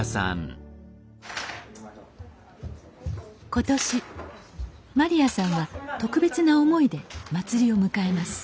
今年まりやさんは特別な思いで祭りを迎えます